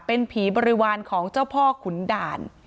เป็นผีบริวารของเจ้าพ่อขุนด่าน